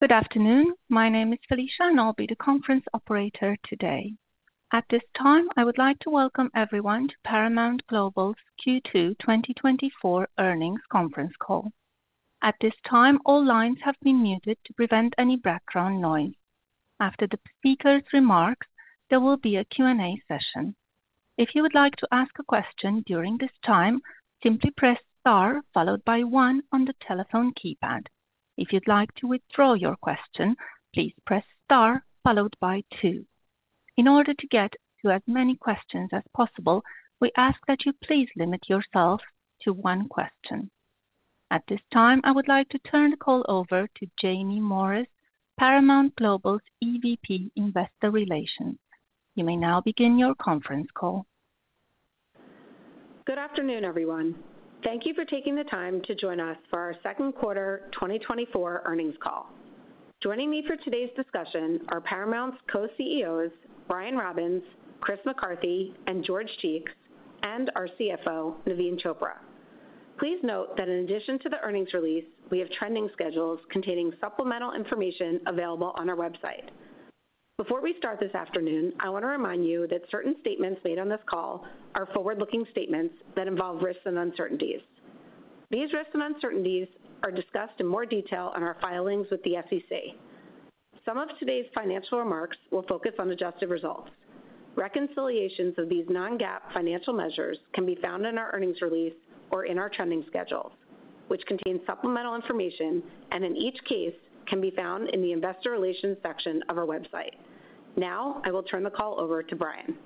Good afternoon. My name is Felicia, and I'll be the conference operator today. At this time, I would like to welcome everyone to Paramount Global's Q2 2024 Earnings Conference Call. At this time, all lines have been muted to prevent any background noise. After the speaker's remarks, there will be a Q&A session. If you would like to ask a question during this time, simply press star followed by 1 on the telephone keypad. If you'd like to withdraw your question, please press star followed by 2. In order to get to as many questions as possible, we ask that you please limit yourself to one question. At this time, I would like to turn the call over to Jaime Morris, Paramount Global's EVP, Investor Relations. You may now begin your conference call. Good afternoon, everyone. Thank you for taking the time to join us for our Second Quarter 2024 Earnings Call. Joining me for today's discussion are Paramount's co-CEOs, Brian Robbins, Chris McCarthy, and George Cheeks, and our CFO, Naveen Chopra. Please note that in addition to the earnings release, we have trending schedules containing supplemental information available on our website. Before we start this afternoon, I want to remind you that certain statements made on this call are forward-looking statements that involve risks and uncertainties. These risks and uncertainties are discussed in more detail on our filings with the SEC. Some of today's financial remarks will focus on adjusted results. Reconciliations of these non-GAAP financial measures can be found in our earnings release or in our trending schedules, which contain supplemental information, and in each case can be found in the Investor Relations section of our website. Now, I will turn the call over to Brian.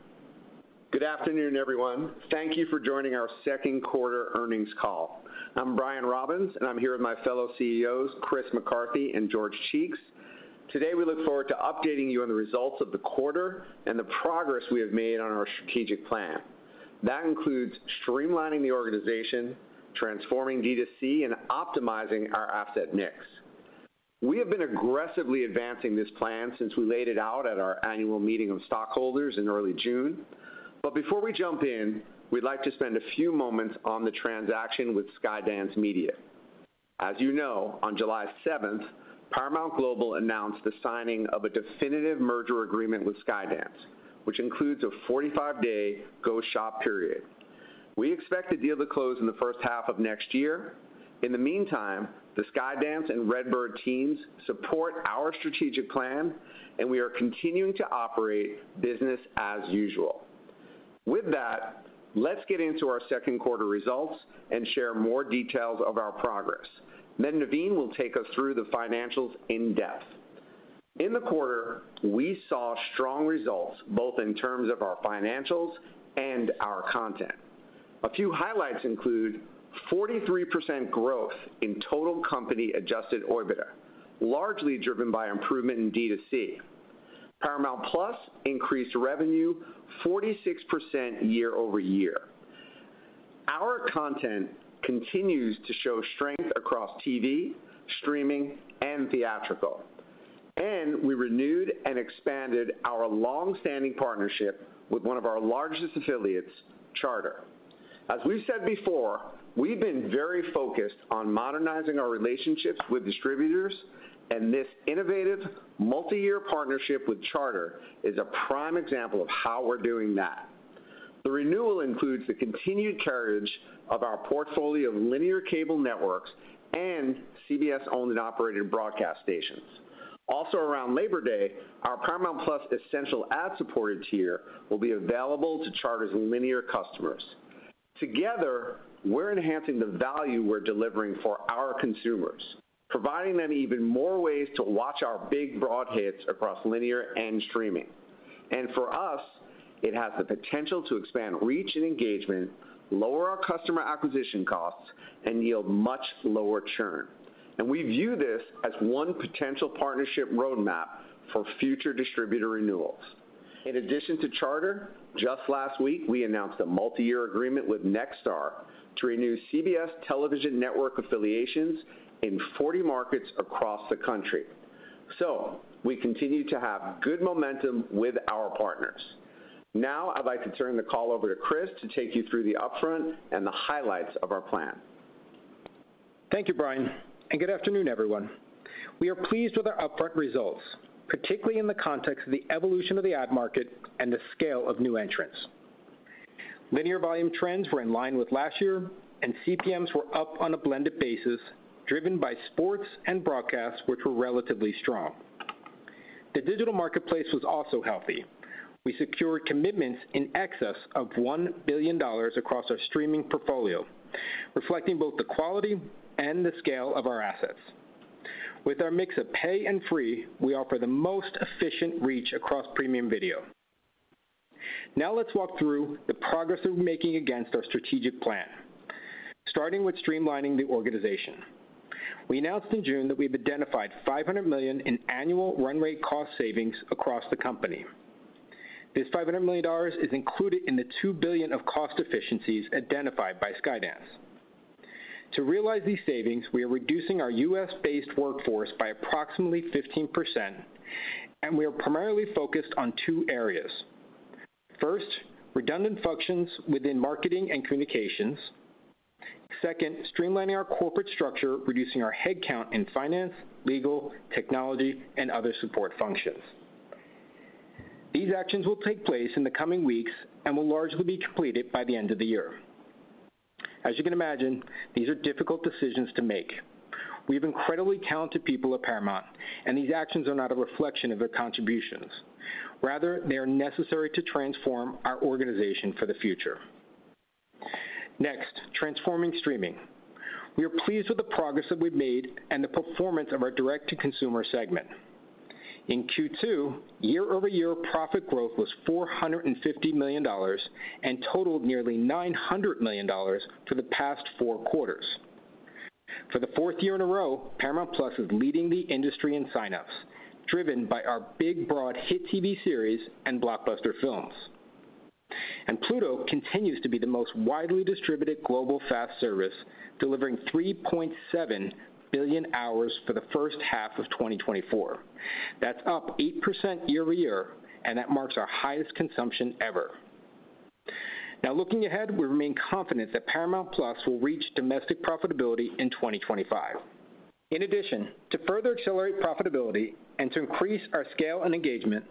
Good afternoon, everyone. Thank you for joining our second quarter earnings call. I'm Brian Robbins, and I'm here with my fellow CEOs, Chris McCarthy and George Cheeks. Today, we look forward to updating you on the results of the quarter and the progress we have made on our strategic plan. That includes streamlining the organization, transforming D2C, and optimizing our asset mix. We have been aggressively advancing this plan since we laid it out at our annual meeting of stockholders in early June. But before we jump in, we'd like to spend a few moments on the transaction with Skydance Media. As you know, on July 7, Paramount Global announced the signing of a definitive merger agreement with Skydance, which includes a 45-day go-shop period. We expect the deal to close in the first half of next year. In the meantime, the Skydance and RedBird teams support our strategic plan, and we are continuing to operate business as usual. With that, let's get into our second quarter results and share more details of our progress. Then Naveen will take us through the financials in-depth. In the quarter, we saw strong results, both in terms of our financials and our content. A few highlights include 43% growth in total company adjusted OIBDA, largely driven by improvement in D2C. Paramount+ increased revenue 46% year-over-year. Our content continues to show strength across TV, streaming, and theatrical, and we renewed and expanded our long-standing partnership with one of our largest affiliates, Charter. As we've said before, we've been very focused on modernizing our relationships with distributors, and this innovative multi-year partnership with Charter is a prime example of how we're doing that. The renewal includes the continued carriage of our portfolio of linear cable networks and CBS owned and operated broadcast stations. Also, around Labor Day, our Paramount+ Essential ad-supported tier will be available to Charter's linear customers. Together, we're enhancing the value we're delivering for our consumers, providing them even more ways to watch our big, broad hits across linear and streaming. And for us, it has the potential to expand reach and engagement, lower our customer acquisition costs, and yield much lower churn. And we view this as one potential partnership roadmap for future distributor renewals. In addition to Charter, just last week, we announced a multi-year agreement with Nexstar to renew CBS Television Network affiliations in 40 markets across the country. So we continue to have good momentum with our partners. Now, I'd like to turn the call over to Chris to take you through the upfront and the highlights of our plan. Thank you, Brian, and good afternoon, everyone. We are pleased with our upfront results, particularly in the context of the evolution of the ad market and the scale of new entrants. Linear volume trends were in line with last year, and CPMs were up on a blended basis, driven by sports and broadcasts, which were relatively strong. The digital marketplace was also healthy. We secured commitments in excess of $1 billion across our streaming portfolio, reflecting both the quality and the scale of our assets. With our mix of pay and free, we offer the most efficient reach across premium video. Now, let's walk through the progress that we're making against our strategic plan, starting with streamlining the organization. We announced in June that we've identified $500 million in annual run rate cost savings across the company. This $500 million is included in the $2 billion of cost efficiencies identified by Skydance. To realize these savings, we are reducing our U.S.-based workforce by approximately 15%, and we are primarily focused on 2 areas. First, redundant functions within marketing and communications.... Second, streamlining our corporate structure, reducing our headcount in finance, legal, technology, and other support functions. These actions will take place in the coming weeks and will largely be completed by the end of the year. As you can imagine, these are difficult decisions to make. We have incredibly talented people at Paramount, and these actions are not a reflection of their contributions. Rather, they are necessary to transform our organization for the future. Next, transforming streaming. We are pleased with the progress that we've made and the performance of our Direct-to-Consumer segment. In Q2, year-over-year profit growth was $450 million, and totaled nearly $900 million for the past four quarters. For the fourth year in a row, Paramount+ is leading the industry in sign-ups, driven by our big, broad hit TV series and blockbuster films. Pluto continues to be the most widely distributed global FAST service, delivering 3.7 billion hours for the first half of 2024. That's up 8% year-over-year, and that marks our highest consumption ever. Now, looking ahead, we remain confident that Paramount+ will reach domestic profitability in 2025. In addition, to further accelerate profitability and to increase our scale and engagement,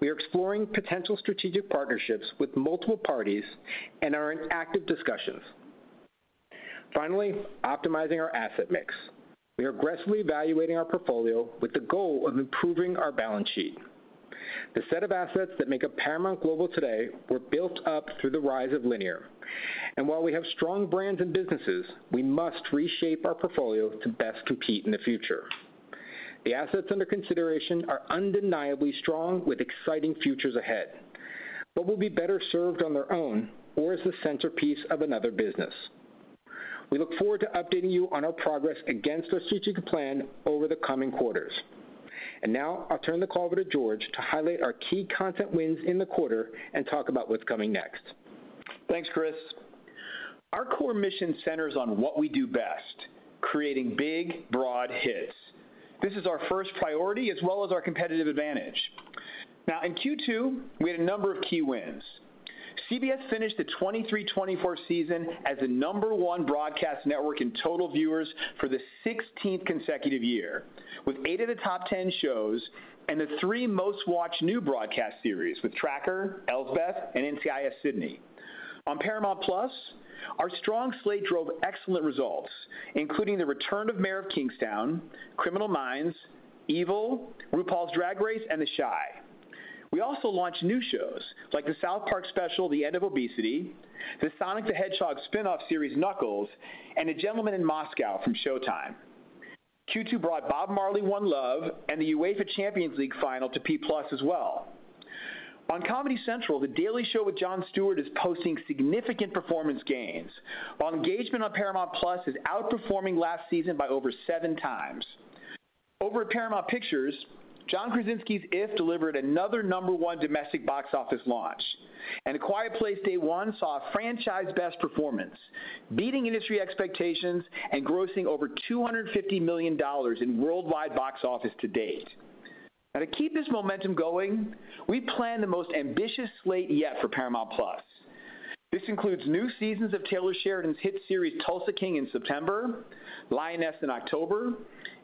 we are exploring potential strategic partnerships with multiple parties and are in active discussions. Finally, optimizing our asset mix. We are aggressively evaluating our portfolio with the goal of improving our balance sheet. The set of assets that make up Paramount Global today were built up through the rise of linear, and while we have strong brands and businesses, we must reshape our portfolio to best compete in the future. The assets under consideration are undeniably strong, with exciting futures ahead, but will be better served on their own or as the centerpiece of another business. We look forward to updating you on our progress against our strategic plan over the coming quarters. And now I'll turn the call over to George to highlight our key content wins in the quarter and talk about what's coming next. Thanks, Chris. Our core mission centers on what we do best, creating big, broad hits. This is our first priority, as well as our competitive advantage. Now, in Q2, we had a number of key wins. CBS finished the 2023-2024 season as the number one broadcast network in total viewers for the sixteenth consecutive year, with eight of the top ten shows and the three most-watched new broadcast series, with Tracker, Elsbeth, and NCIS: Sydney. On Paramount+, our strong slate drove excellent results, including the return of Mayor of Kingstown, Criminal Minds, Evil, RuPaul's Drag Race, and The Chi. We also launched new shows like the South Park: The End of Obesity special, the Sonic the Hedgehog spin-off series, Knuckles, and A Gentleman in Moscow from SHOWTIME. Q2 brought Bob Marley: One Love and the UEFA Champions League final to P+ as well. On Comedy Central, The Daily Show with Jon Stewart is posting significant performance gains, while engagement on Paramount+ is outperforming last season by over 7 times. Over at Paramount Pictures, John Krasinski's IF delivered another number one domestic box office launch, and A Quiet Place: Day One saw a franchise-best performance, beating industry expectations and grossing over $250 million in worldwide box office to date. Now, to keep this momentum going, we plan the most ambitious slate yet for Paramount+. This includes new seasons of Taylor Sheridan's hit series, Tulsa King, in September, Lioness in October,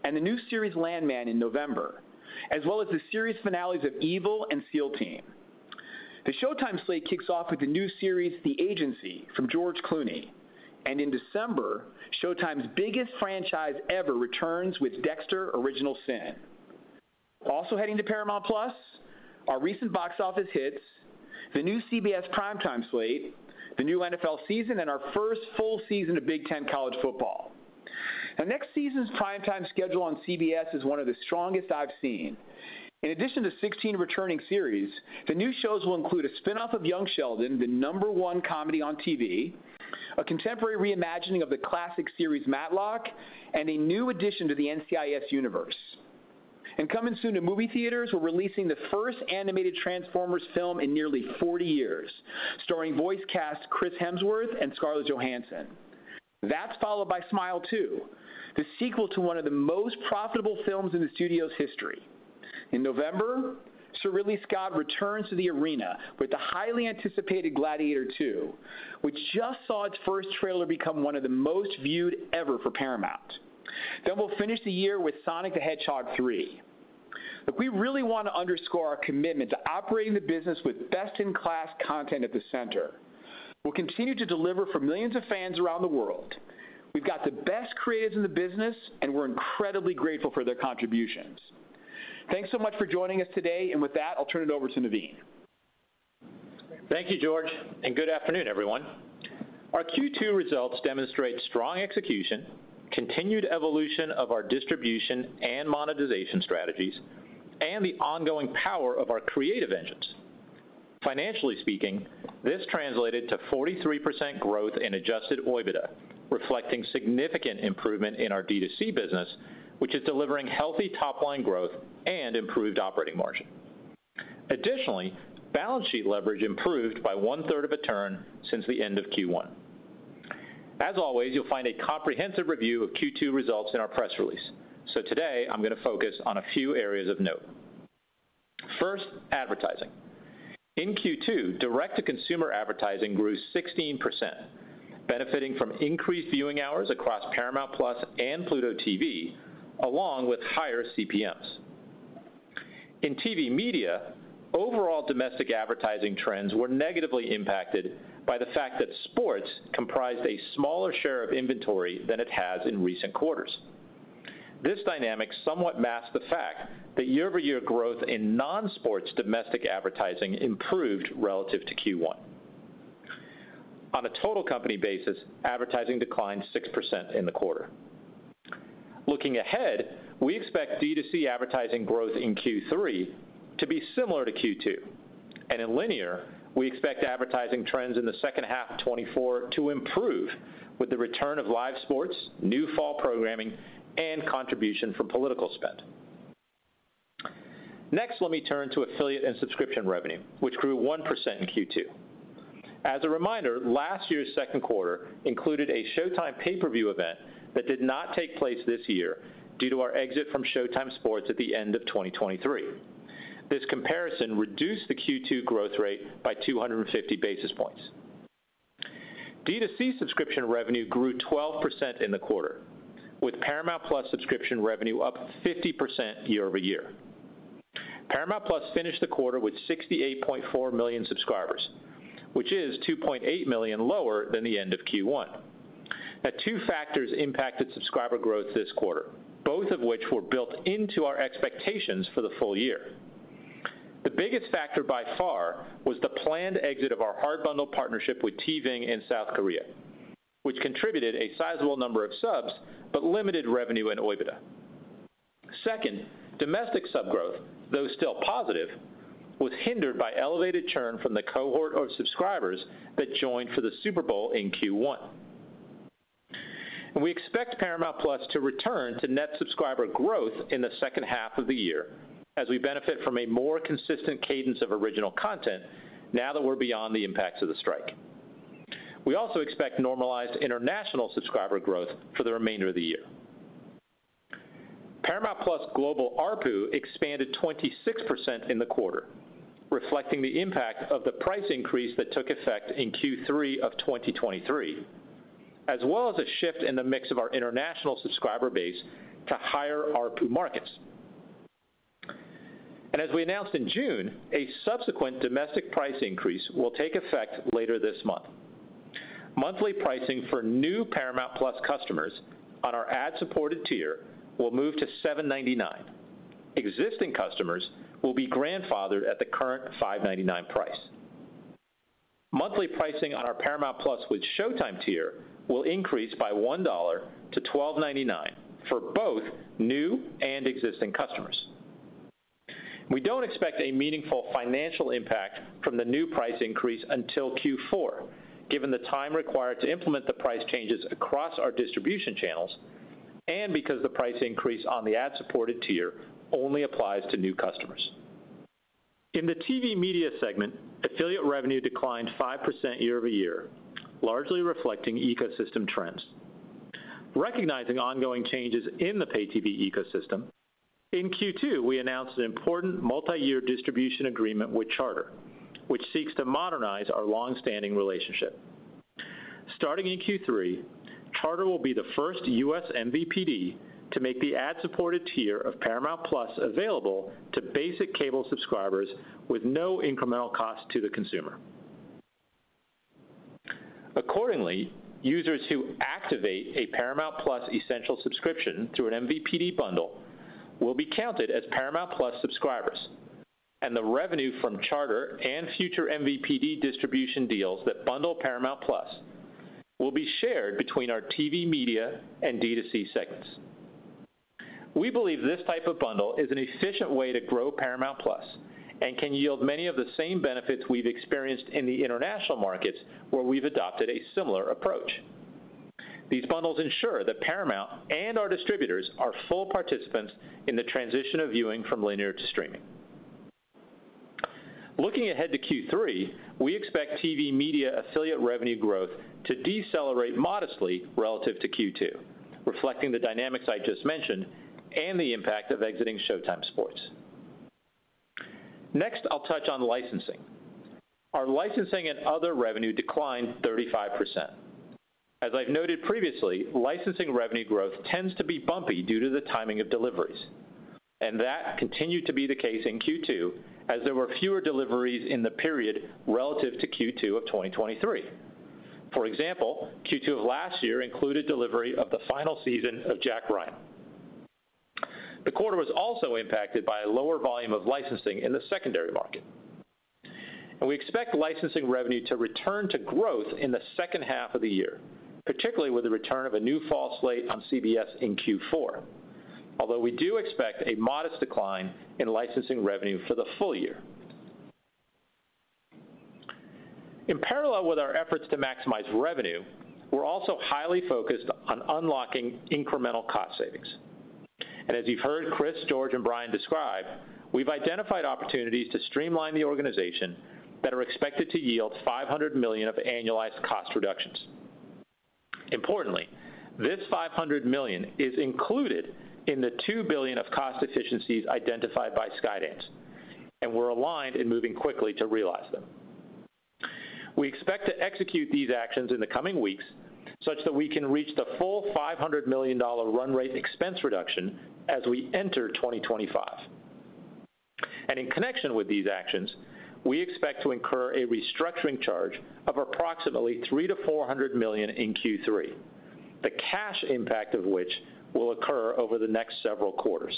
and the new series Landman in November, as well as the series finales of Evil and SEAL Team. The SHOWTIME slate kicks off with the new series, The Agency, from George Clooney, and in December, SHOWTIME's biggest franchise ever returns with Dexter: Original Sin. Also heading to Paramount+, our recent box office hits, the new CBS primetime slate, the new NFL season, and our first full season of Big Ten college football. Now, next season's primetime schedule on CBS is one of the strongest I've seen. In addition to 16 returning series, the new shows will include a spin-off of Young Sheldon, the number one comedy on TV, a contemporary reimagining of the classic series Matlock, and a new addition to the NCIS universe. Coming soon to movie theaters, we're releasing the first animated Transformers film in nearly 40 years, starring voice cast Chris Hemsworth and Scarlett Johansson. That's followed by Smile 2, the sequel to one of the most profitable films in the studio's history. In November, Sir Ridley Scott returns to the arena with the highly anticipated Gladiator II, which just saw its first trailer become one of the most viewed ever for Paramount. Then we'll finish the year with Sonic the Hedgehog 3. Look, we really want to underscore our commitment to operating the business with best-in-class content at the center. We'll continue to deliver for millions of fans around the world. We've got the best creatives in the business, and we're incredibly grateful for their contributions. Thanks so much for joining us today. And with that, I'll turn it over to Naveen. Thank you, George, and good afternoon, everyone. Our Q2 results demonstrate strong execution, continued evolution of our distribution and monetization strategies, and the ongoing power of our creative engines. Financially speaking, this translated to 43% growth in adjusted OIBDA, reflecting significant improvement in our D2C business, which is delivering healthy top-line growth and improved operating margin. Additionally, balance sheet leverage improved by one-third of a turn since the end of Q1. As always, you'll find a comprehensive review of Q2 results in our press release. Today, I'm gonna focus on a few areas of note.... First, advertising. In Q2, Direct-to-Consumer advertising grew 16%, benefiting from increased viewing hours across Paramount+ and Pluto TV, along with higher CPMs. In TV Media, overall domestic advertising trends were negatively impacted by the fact that sports comprised a smaller share of inventory than it has in recent quarters. This dynamic somewhat masks the fact that year-over-year growth in non-sports domestic advertising improved relative to Q1. On a total company basis, advertising declined 6% in the quarter. Looking ahead, we expect D2C advertising growth in Q3 to be similar to Q2, and in linear, we expect advertising trends in the second half of 2024 to improve with the return of live sports, new fall programming, and contribution from political spend. Next, let me turn to affiliate and subscription revenue, which grew 1% in Q2. As a reminder, last year's second quarter included a SHOWTIME pay-per-view event that did not take place this year due to our exit from SHOWTIME Sports at the end of 2023. This comparison reduced the Q2 growth rate by 250 basis points. D2C subscription revenue grew 12% in the quarter, with Paramount+ subscription revenue up 50% year-over-year. Paramount+ finished the quarter with 68.4 million subscribers, which is 2.8 million lower than the end of Q1. Now, two factors impacted subscriber growth this quarter, both of which were built into our expectations for the full year. The biggest factor, by far, was the planned exit of our hard bundle partnership with TVING in South Korea, which contributed a sizable number of subs, but limited revenue and OIBDA. Second, domestic sub growth, though still positive, was hindered by elevated churn from the cohort of subscribers that joined for the Super Bowl in Q1. We expect Paramount+ to return to net subscriber growth in the second half of the year as we benefit from a more consistent cadence of original content now that we're beyond the impacts of the strike. We also expect normalized international subscriber growth for the remainder of the year. Paramount+’s global ARPU expanded 26% in the quarter, reflecting the impact of the price increase that took effect in Q3 of 2023, as well as a shift in the mix of our international subscriber base to higher ARPU markets. As we announced in June, a subsequent domestic price increase will take effect later this month. Monthly pricing for new Paramount+ customers on our ad-supported tier will move to $7.99. Existing customers will be grandfathered at the current $5.99 price. Monthly pricing on our Paramount+ with SHOWTIME tier will increase by $1 to $12.99 for both new and existing customers. We don't expect a meaningful financial impact from the new price increase until Q4, given the time required to implement the price changes across our distribution channels, and because the price increase on the ad-supported tier only applies to new customers. In the TV Media segment, affiliate revenue declined 5% year-over-year, largely reflecting ecosystem trends. Recognizing ongoing changes in the pay TV ecosystem, in Q2, we announced an important multiyear distribution agreement with Charter, which seeks to modernize our long-standing relationship. Starting in Q3, Charter will be the first U.S. MVPD to make the ad-supported tier of Paramount+ available to basic cable subscribers with no incremental cost to the consumer. Accordingly, users who activate a Paramount+ Essential subscription through an MVPD bundle will be counted as Paramount+ subscribers, and the revenue from Charter and future MVPD distribution deals that bundle Paramount+ will be shared between our TV Media, and D2C segments. We believe this type of bundle is an efficient way to grow Paramount+ and can yield many of the same benefits we've experienced in the international markets, where we've adopted a similar approach. These bundles ensure that Paramount and our distributors are full participants in the transition of viewing from linear to streaming. Looking ahead to Q3, we expect TV Media affiliate revenue growth to decelerate modestly relative to Q2, reflecting the dynamics I just mentioned and the impact of exiting SHOWTIME Sports. Next, I'll touch on licensing. Our licensing and other revenue declined 35%. As I've noted previously, licensing revenue growth tends to be bumpy due to the timing of deliveries, and that continued to be the case in Q2, as there were fewer deliveries in the period relative to Q2 of 2023. For example, Q2 of last year included delivery of the final season of Jack Ryan. The quarter was also impacted by a lower volume of licensing in the secondary market. We expect licensing revenue to return to growth in the second half of the year, particularly with the return of a new fall slate on CBS in Q4. Although we do expect a modest decline in licensing revenue for the full year. In parallel with our efforts to maximize revenue, we're also highly focused on unlocking incremental cost savings. And as you've heard Chris, George, and Brian describe, we've identified opportunities to streamline the organization that are expected to yield $500 million of annualized cost reductions... Importantly, this $500 million is included in the $2 billion of cost efficiencies identified by Skydance, and we're aligned in moving quickly to realize them. We expect to execute these actions in the coming weeks such that we can reach the full $500 million dollar run rate expense reduction as we enter 2025. In connection with these actions, we expect to incur a restructuring charge of approximately $300 million-$400 million in Q3, the cash impact of which will occur over the next several quarters.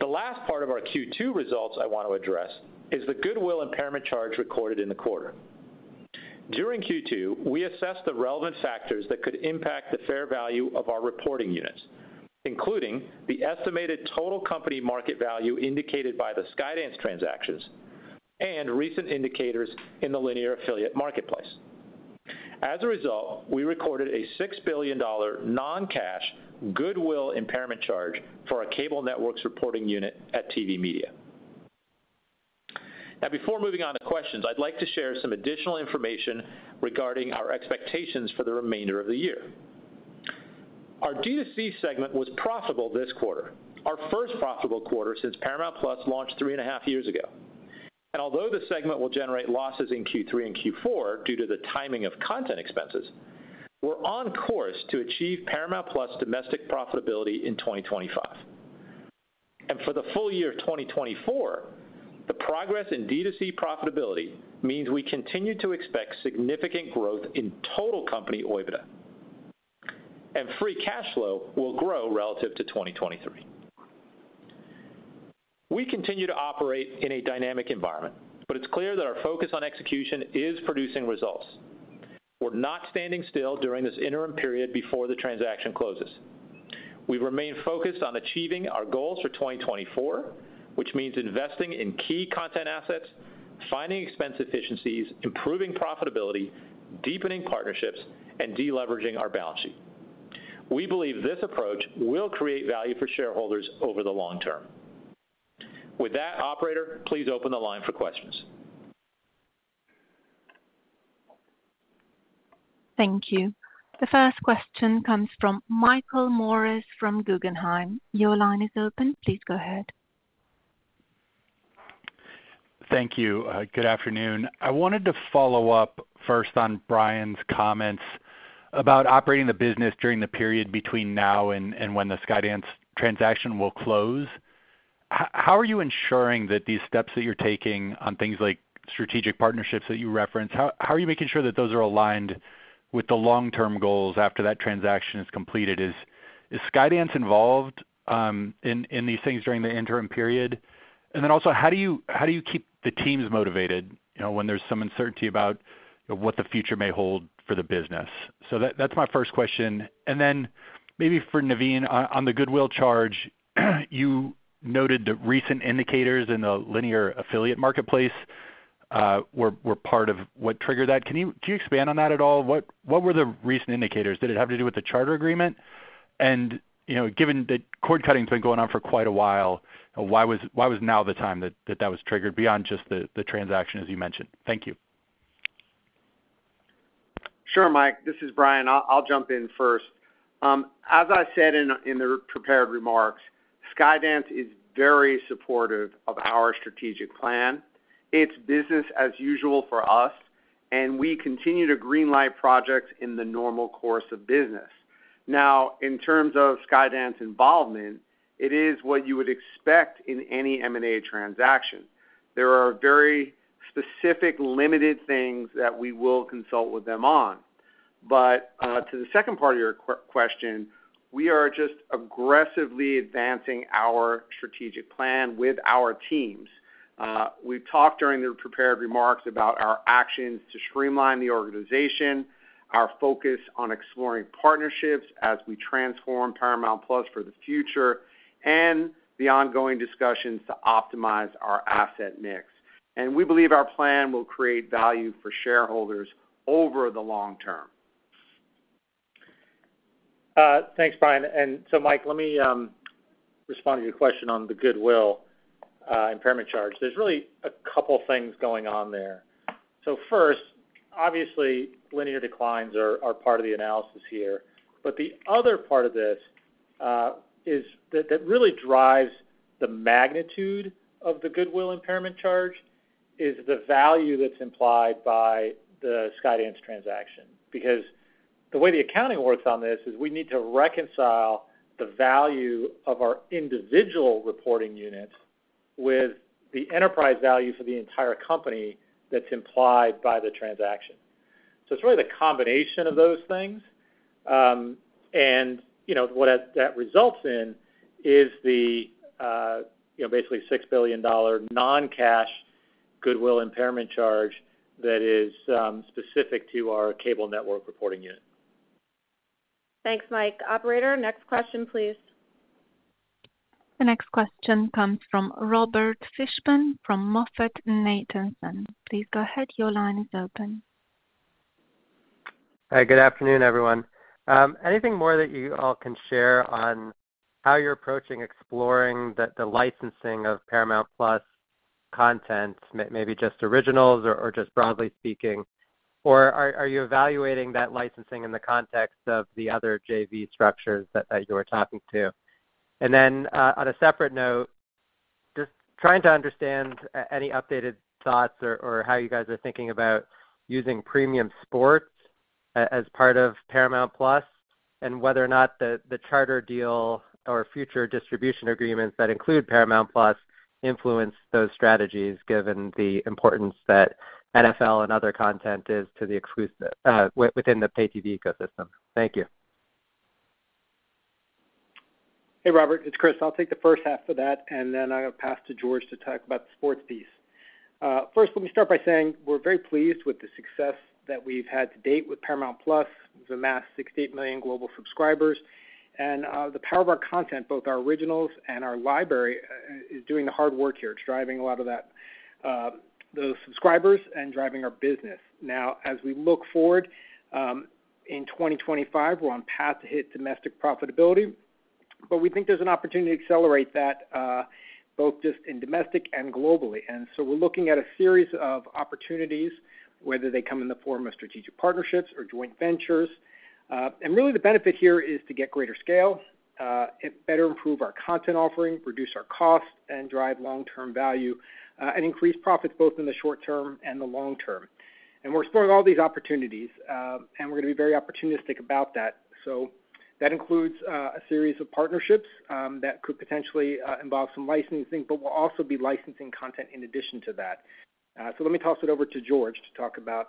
The last part of our Q2 results I want to address is the goodwill impairment charge recorded in the quarter. During Q2, we assessed the relevant factors that could impact the fair value of our reporting units, including the estimated total company market value indicated by the Skydance transactions and recent indicators in the linear affiliate marketplace. As a result, we recorded a $6 billion non-cash goodwill impairment charge for our cable networks reporting unit at TV Media. Now, before moving on to questions, I'd like to share some additional information regarding our expectations for the remainder of the year. Our D2C segment was profitable this quarter, our first profitable quarter since Paramount+ launched 3.5 years ago. Although the segment will generate losses in Q3 and Q4 due to the timing of content expenses, we're on course to achieve Paramount+ domestic profitability in 2025. For the full year 2024, the progress in D2C profitability means we continue to expect significant growth in total company OIBDA, and free cash flow will grow relative to 2023. We continue to operate in a dynamic environment, but it's clear that our focus on execution is producing results. We're not standing still during this interim period before the transaction closes. We remain focused on achieving our goals for 2024, which means investing in key content assets, finding expense efficiencies, improving profitability, deepening partnerships, and deleveraging our balance sheet. We believe this approach will create value for shareholders over the long term. With that, operator, please open the line for questions. Thank you. The first question comes from Michael Morris from Guggenheim. Your line is open. Please go ahead. Thank you. Good afternoon. I wanted to follow up first on Brian's comments about operating the business during the period between now and when the Skydance transaction will close. How are you ensuring that these steps that you're taking on things like strategic partnerships that you referenced, how are you making sure that those are aligned with the long-term goals after that transaction is completed? Is Skydance involved in these things during the interim period? And then also, how do you keep the teams motivated, you know, when there's some uncertainty about what the future may hold for the business? So that's my first question. And then maybe for Naveen, on the goodwill charge, you noted the recent indicators in the linear affiliate marketplace were part of what triggered that. Can you expand on that at all? What were the recent indicators? Did it have to do with the charter agreement? And, you know, given that cord cutting's been going on for quite a while, why was now the time that was triggered beyond just the transaction, as you mentioned? Thank you. Sure, Mike. This is Brian. I'll jump in first. As I said in the prepared remarks, Skydance is very supportive of our strategic plan. It's business as usual for us, and we continue to greenlight projects in the normal course of business. Now, in terms of Skydance involvement, it is what you would expect in any M&A transaction. There are very specific, limited things that we will consult with them on. But, to the second part of your question, we are just aggressively advancing our strategic plan with our teams. We've talked during the prepared remarks about our actions to streamline the organization, our focus on exploring partnerships as we transform Paramount+ for the future, and the ongoing discussions to optimize our asset mix. And we believe our plan will create value for shareholders over the long term. Thanks, Brian. So Mike, let me respond to your question on the goodwill impairment charge. There's really a couple things going on there. First, obviously, linear declines are part of the analysis here, but the other part of this is that that really drives the magnitude of the goodwill impairment charge, is the value that's implied by the Skydance transaction. Because the way the accounting works on this is we need to reconcile the value of our individual reporting units with the enterprise value for the entire company that's implied by the transaction. So it's really the combination of those things, and you know, what that results in is the you know, basically $6 billion non-cash goodwill impairment charge that is specific to our cable network reporting unit. Thanks, Mike. Operator, next question, please. The next question comes from Robert Fishman from MoffettNathanson. Please go ahead. Your line is open. Hi, good afternoon, everyone. Anything more that you all can share on how you're approaching exploring the licensing of Paramount+?... content, maybe just originals or just broadly speaking? Or are you evaluating that licensing in the context of the other JV structures that you were talking to? And then, on a separate note, just trying to understand any updated thoughts or how you guys are thinking about using premium sports as part of Paramount Plus, and whether or not the Charter deal or future distribution agreements that include Paramount Plus influence those strategies, given the importance that NFL and other content is to the exclusivity within the pay TV ecosystem. Thank you. Hey, Robert, it's Chris. I'll take the first half of that, and then I will pass to George to talk about the sports piece. First, let me start by saying we're very pleased with the success that we've had to date with Paramount+. It's amassed 68 million global subscribers, and, the power of our content, both our originals and our library, is doing the hard work here. It's driving a lot of that, those subscribers and driving our business. Now, as we look forward, in 2025, we're on path to hit domestic profitability, but we think there's an opportunity to accelerate that, both just in domestic and globally. And so we're looking at a series of opportunities, whether they come in the form of strategic partnerships or joint ventures. And really, the benefit here is to get greater scale, and better improve our content offering, reduce our costs, and drive long-term value, and increase profits both in the short term and the long term. And we're exploring all these opportunities, and we're gonna be very opportunistic about that. So that includes, a series of partnerships, that could potentially, involve some licensing, but we'll also be licensing content in addition to that. So let me toss it over to George to talk about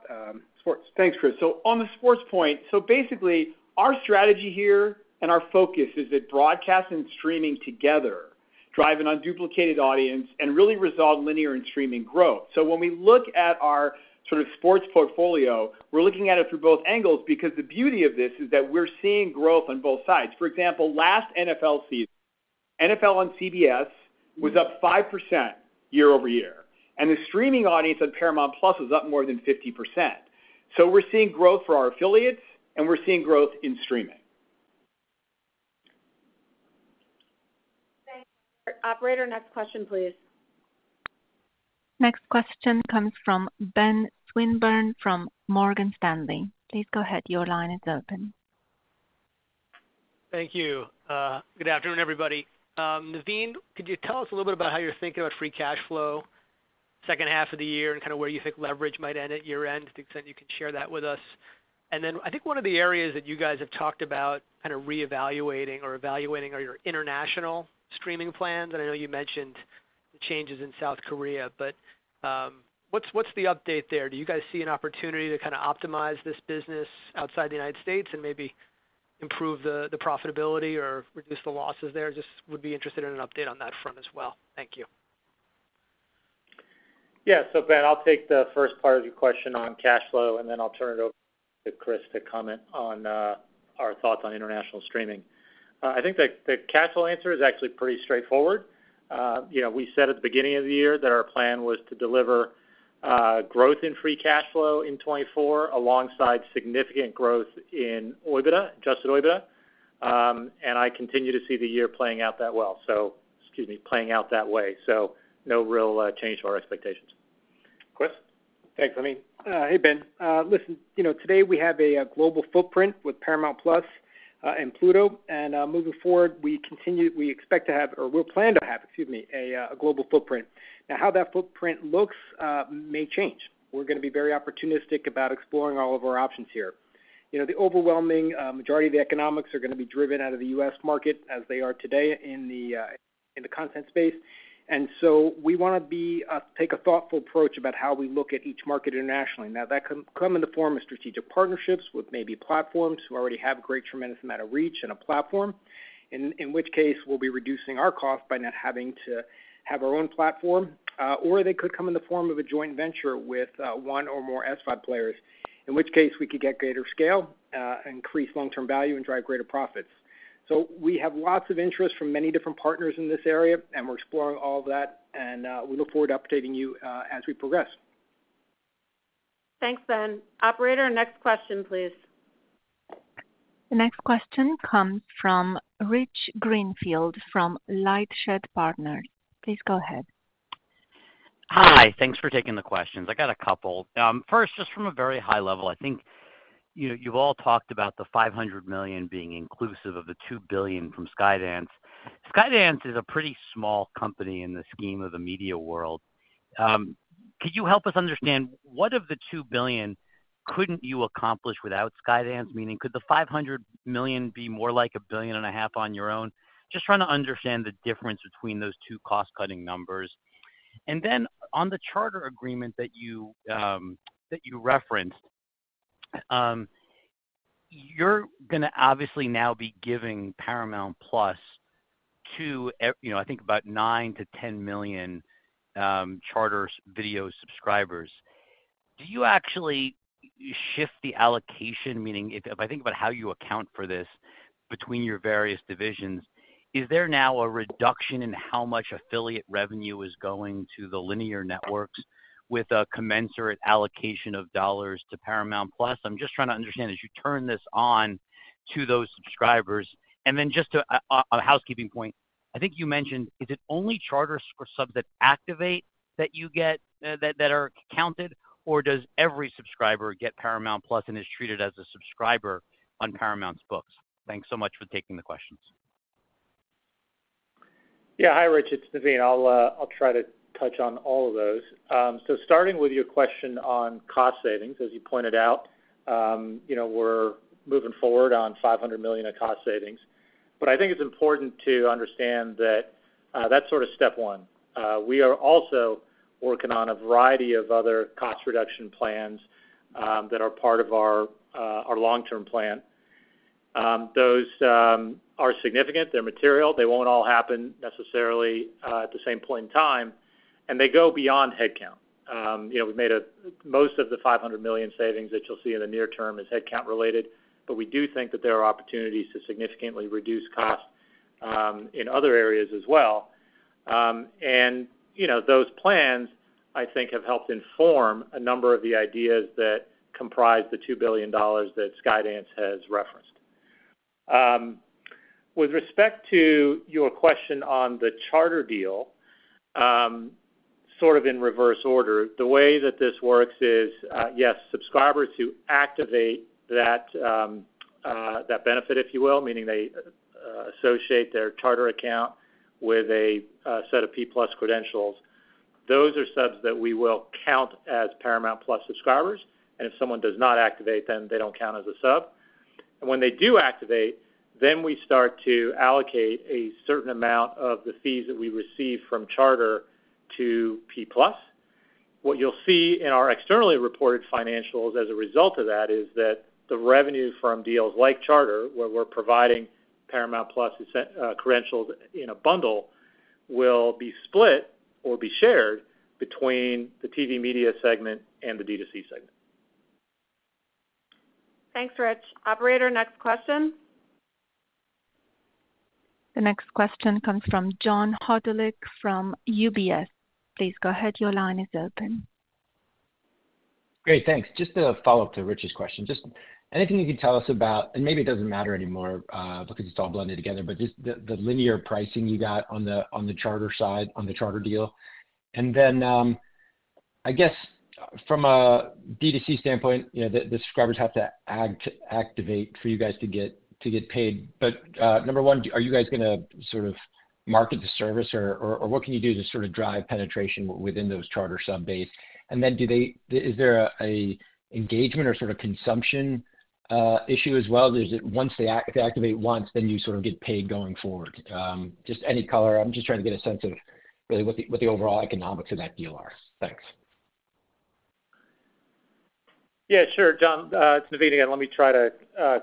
sports. Thanks, Chris. So on the sports point, so basically, our strategy here and our focus is that broadcast and streaming together drive an unduplicated audience and really resolve linear and streaming growth. So when we look at our sort of sports portfolio, we're looking at it through both angles because the beauty of this is that we're seeing growth on both sides. For example, last NFL season, NFL on CBS was up 5% year-over-year, and the streaming audience on Paramount+ was up more than 50%. So we're seeing growth for our affiliates, and we're seeing growth in streaming. Thanks. Operator, next question, please. Next question comes from Ben Swinburne from Morgan Stanley. Please go ahead. Your line is open. Thank you. Good afternoon, everybody. Naveen, could you tell us a little bit about how you're thinking about free cash flow, second half of the year, and kind of where you think leverage might end at year-end? To the extent you could share that with us. And then I think one of the areas that you guys have talked about kind of reevaluating or evaluating are your international streaming plans, and I know you mentioned the changes in South Korea, but what's the update there? Do you guys see an opportunity to kind of optimize this business outside the United States and maybe improve the profitability or reduce the losses there? Just would be interested in an update on that front as well. Thank you. Yeah. So Ben, I'll take the first part of your question on cash flow, and then I'll turn it over to Chris to comment on our thoughts on international streaming. I think the cash flow answer is actually pretty straightforward. You know, we said at the beginning of the year that our plan was to deliver growth in free cash flow in 2024, alongside significant growth in OIBDA, adjusted OIBDA, and I continue to see the year playing out that well. So, excuse me, playing out that way. So no real change to our expectations. Chris? Thanks, Naveen. Hey, Ben. Listen, you know, today we have a global footprint with Paramount+, and Pluto, and moving forward, we continue - we expect to have, or we'll plan to have, excuse me, a global footprint. Now, how that footprint looks may change. We're gonna be very opportunistic about exploring all of our options here. You know, the overwhelming majority of the economics are gonna be driven out of the U.S. market, as they are today in the content space. And so we wanna be take a thoughtful approach about how we look at each market internationally. Now, that can come in the form of strategic partnerships with maybe platforms who already have a great, tremendous amount of reach and a platform, in which case, we'll be reducing our cost by not having to have our own platform, or they could come in the form of a joint venture with one or more SVOD players, in which case, we could get greater scale, increase long-term value, and drive greater profits. So we have lots of interest from many different partners in this area, and we're exploring all of that, and we look forward to updating you as we progress. Thanks, Ben. Operator, next question, please. The next question comes from Rich Greenfield from LightShed Partners. Please go ahead. Hi, thanks for taking the questions. I got a couple. First, just from a very high level, I think, you know, you've all talked about the $500 million being inclusive of the $2 billion from Skydance. Skydance is a pretty small company in the scheme of the media world. Could you help us understand, what of the $2 billion couldn't you accomplish without Skydance? Meaning, could the $500 million be more like $1.5 billion on your own? Just trying to understand the difference between those two cost-cutting numbers. And then on the Charter agreement that you, that you referenced, you're gonna obviously now be giving Paramount+ to every you know, I think about 9-10 million Charter video subscribers. Do you actually shift the allocation? Meaning, if I think about how you account for this between your various divisions, is there now a reduction in how much affiliate revenue is going to the linear networks with a commensurate allocation of dollars to Paramount Plus? I'm just trying to understand as you turn this on to those subscribers. And then just a housekeeping point. I think you mentioned, is it only Charter subs that activate that you get, that are counted, or does every subscriber get Paramount Plus and is treated as a subscriber on Paramount's books? Thanks so much for taking the questions.... Yeah. Hi, Rich, it's Naveen. I'll try to touch on all of those. So starting with your question on cost savings, as you pointed out, you know, we're moving forward on $500 million of cost savings. But I think it's important to understand that that's sort of step one. We are also working on a variety of other cost reduction plans that are part of our long-term plan. Those are significant, they're material, they won't all happen necessarily at the same point in time, and they go beyond headcount. You know, we've made most of the $500 million savings that you'll see in the near term is headcount related, but we do think that there are opportunities to significantly reduce costs in other areas as well. And, you know, those plans, I think, have helped inform a number of the ideas that comprise the $2 billion that Skydance has referenced. With respect to your question on the Charter deal, sort of in reverse order, the way that this works is, yes, subscribers who activate that benefit, if you will, meaning they associate their Charter account with a set of Paramount+ credentials, those are subs that we will count as Paramount+ subscribers, and if someone does not activate, then they don't count as a sub. And when they do activate, then we start to allocate a certain amount of the fees that we receive from Charter to Paramount+. What you'll see in our externally reported financials as a result of that is that the revenue from deals like Charter, where we're providing Paramount+ credentials in a bundle, will be split or be shared between the TV Media segment and the D2C segment. Thanks, Rich. Operator, next question. The next question comes from John Hodulik from UBS. Please go ahead, your line is open. Great, thanks. Just to follow up to Rich's question, just anything you can tell us about, and maybe it doesn't matter anymore, because it's all blended together, but just the linear pricing you got on the Charter side, on the Charter deal. And then, I guess from a D2C standpoint, you know, the subscribers have to add to activate for you guys to get paid. But, number one, are you guys gonna sort of market the service, or what can you do to sort of drive penetration within those Charter sub base? And then is there a engagement or sort of consumption issue as well? Once they activate, if they activate once, then you sort of get paid going forward. Just any color. I'm just trying to get a sense of really what the overall economics of that deal are. Thanks. Yeah, sure, John, it's Naveen again. Let me try to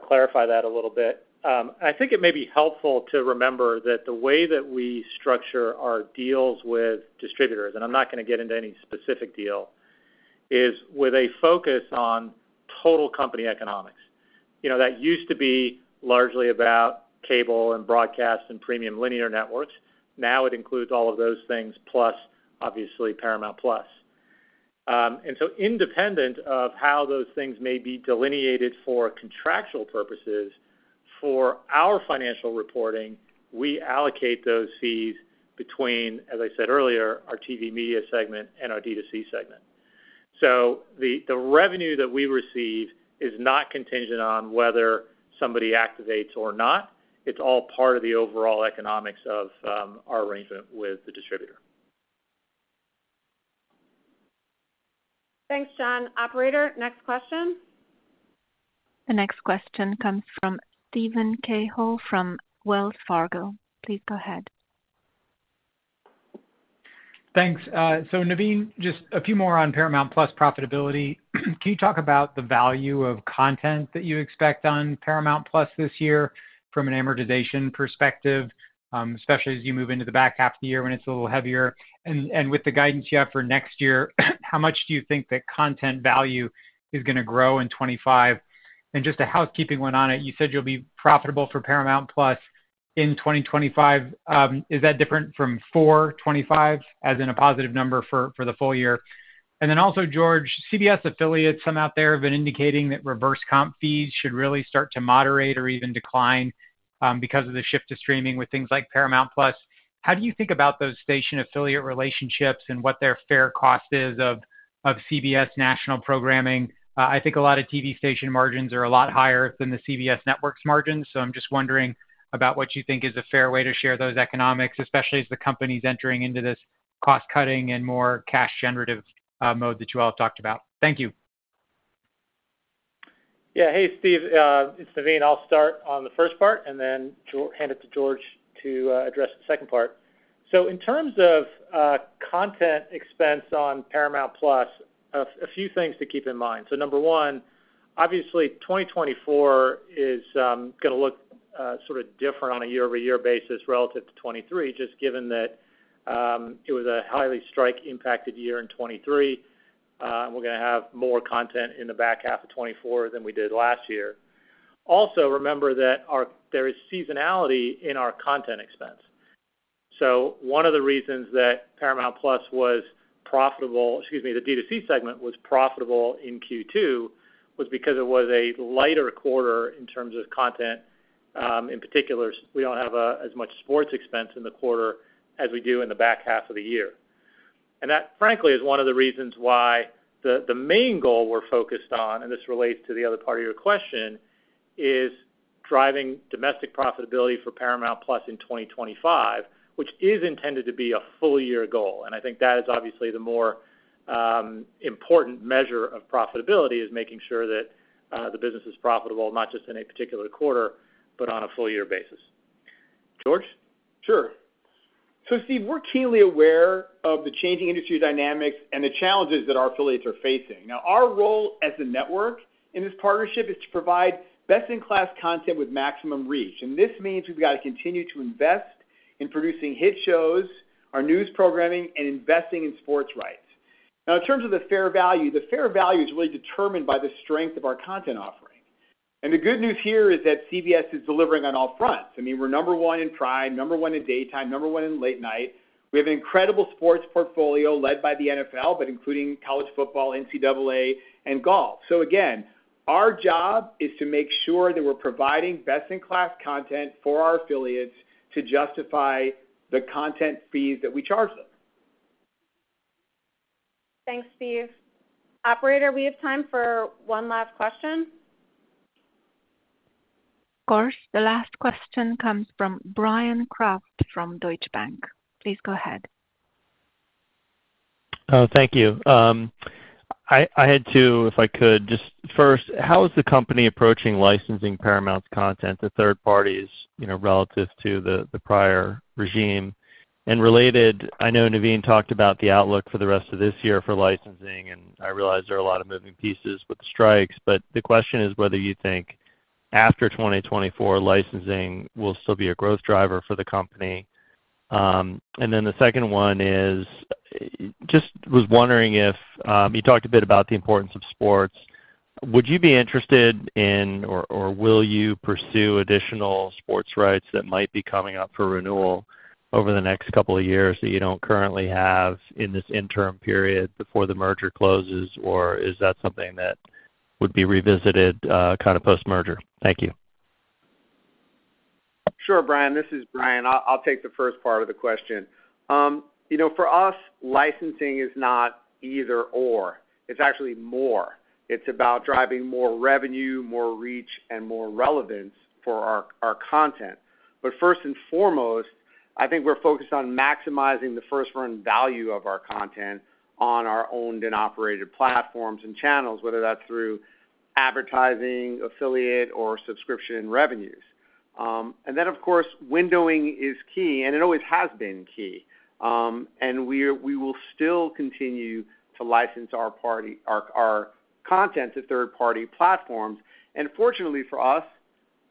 clarify that a little bit. I think it may be helpful to remember that the way that we structure our deals with distributors, and I'm not gonna get into any specific deal, is with a focus on total company economics. You know, that used to be largely about cable and broadcast and premium linear networks. Now, it includes all of those things, plus, obviously, Paramount Plus. And so independent of how those things may be delineated for contractual purposes, for our financial reporting, we allocate those fees between, as I said earlier, our TV Media segment and our D2C segment. So the revenue that we receive is not contingent on whether somebody activates or not. It's all part of the overall economics of our arrangement with the distributor. Thanks, John. Operator, next question. The next question comes from Steven Cahall from Wells Fargo Securities. Please go ahead. Thanks. So Naveen, just a few more on Paramount+ profitability. Can you talk about the value of content that you expect on Paramount+ this year from an amortization perspective, especially as you move into the back half of the year when it's a little heavier? And with the guidance you have for next year, how much do you think the content value is gonna grow in 25? And just a housekeeping one on it, you said you'll be profitable for Paramount+ in 2025. Is that different from 4 25, as in a positive number for the full year? And then also, George, CBS affiliates, some out there have been indicating that reverse comp fees should really start to moderate or even decline, because of the shift to streaming with things like Paramount+. How do you think about those station affiliate relationships and what their fair cost is of, of CBS national programming? I think a lot of TV station margins are a lot higher than the CBS networks margins, so I'm just wondering about what you think is a fair way to share those economics, especially as the company's entering into this cost-cutting and more cash generative, mode that you all have talked about. Thank you. Yeah. Hey, Steve, it's Naveen. I'll start on the first part and then hand it to George to address the second part. So in terms of content expense on Paramount+, a few things to keep in mind. So number one, obviously, 2024 is gonna look sort of different on a year-over-year basis relative to 2023, just given that it was a highly strike-impacted year in 2023. We're gonna have more content in the back half of 2024 than we did last year. Also, remember that there is seasonality in our content expense. So one of the reasons that Paramount+ was profitable, excuse me, the D2C segment was profitable in Q2, was because it was a lighter quarter in terms of content. In particular, we don't have as much sports expense in the quarter as we do in the back half of the year, and that, frankly, is one of the reasons why the main goal we're focused on, and this relates to the other part of your question, is driving domestic profitability for Paramount Plus in 2025, which is intended to be a full year goal. And I think that is obviously the more important measure of profitability, is making sure that the business is profitable, not just in a particular quarter, but on a full year basis. George? Sure. So Steve, we're keenly aware of the changing industry dynamics and the challenges that our affiliates are facing. Now, our role as a network in this partnership is to provide best-in-class content with maximum reach, and this means we've got to continue to invest in producing hit shows, our news programming, and investing in sports rights. Now, in terms of the fair value, the fair value is really determined by the strength of our content offering. And the good news here is that CBS is delivering on all fronts. I mean, we're number one in prime, number one in daytime, number one in late night. We have an incredible sports portfolio led by the NFL, but including college football, NCAA, and golf. So again, our job is to make sure that we're providing best-in-class content for our affiliates to justify the content fees that we charge them. Thanks, Steve. Operator, we have time for one last question. Of course. The last question comes from Bryan Kraft from Deutsche Bank. Please go ahead. Oh, thank you. If I could, just first, how is the company approaching licensing Paramount's content to third parties, you know, relative to the prior regime? And related, I know Naveen talked about the outlook for the rest of this year for licensing, and I realize there are a lot of moving pieces with the strikes, but the question is whether you think after 2024, licensing will still be a growth driver for the company. And then the second one is, just was wondering if you talked a bit about the importance of sports. Would you be interested in or will you pursue additional sports rights that might be coming up for renewal over the next couple of years that you don't currently have in this interim period before the merger closes? Or is that something that would be revisited, kind of post-merger? Thank you. Sure, Bryan. This is Brian. I'll take the first part of the question. You know, for us, licensing is not either/or. It's actually more. It's about driving more revenue, more reach, and more relevance for our content. But first and foremost, I think we're focused on maximizing the first-run value of our content on our owned and operated platforms and channels, whether that's through advertising, affiliate, or subscription revenues. And then, of course, windowing is key, and it always has been key. And we will still continue to license our IP, our content to third-party platforms. And fortunately for us,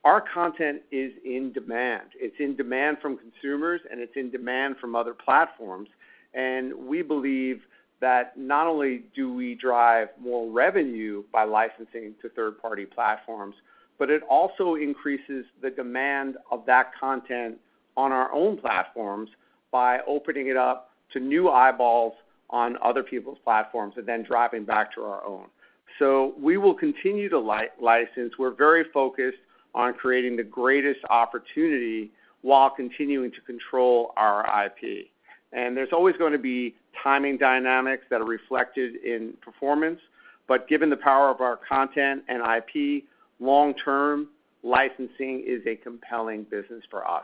our content is in demand. It's in demand from consumers, and it's in demand from other platforms. We believe that not only do we drive more revenue by licensing to third-party platforms, but it also increases the demand of that content on our own platforms by opening it up to new eyeballs on other people's platforms and then driving back to our own. So we will continue to license. We're very focused on creating the greatest opportunity while continuing to control our IP. There's always gonna be timing dynamics that are reflected in performance, but given the power of our content and IP, long-term, licensing is a compelling business for us.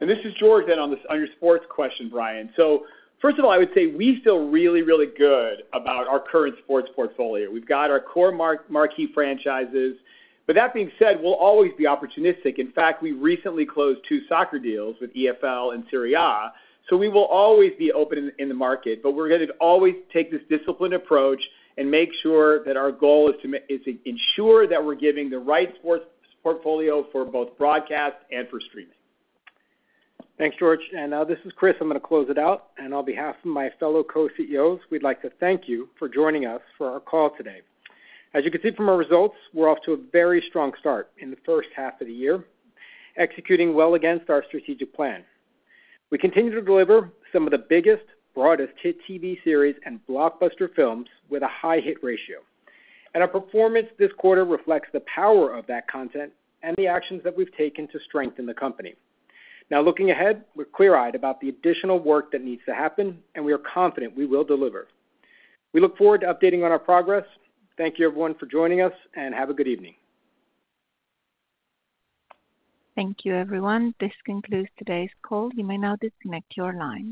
This is George, and on your sports question, Bryan. So first of all, I would say we feel really, really good about our current sports portfolio. We've got our core marquee franchises. But that being said, we'll always be opportunistic. In fact, we recently closed two soccer deals with EFL and Serie A, so we will always be open in the market. But we're gonna always take this disciplined approach and make sure that our goal is to ensure that we're giving the right sports portfolio for both broadcast and for streaming. Thanks, George, and this is Chris. I'm gonna close it out, and on behalf of my fellow co-CEOs, we'd like to thank you for joining us for our call today. As you can see from our results, we're off to a very strong start in the first half of the year, executing well against our strategic plan. We continue to deliver some of the biggest, broadest hit TV series and blockbuster films with a high hit ratio. And our performance this quarter reflects the power of that content and the actions that we've taken to strengthen the company. Now, looking ahead, we're clear-eyed about the additional work that needs to happen, and we are confident we will deliver. We look forward to updating on our progress. Thank you everyone for joining us, and have a good evening. Thank you, everyone. This concludes today's call. You may now disconnect your lines.